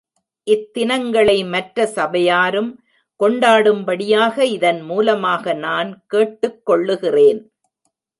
இத் தினங்களை மற்ற சபையாரும் கொண்டாடும்படியாக இதன் மூலமாக நான் கேட்டுக் கொள்ளுகிறேன்.